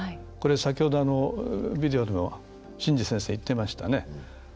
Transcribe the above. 先ほどビデオでも進士先生、言ってましたね。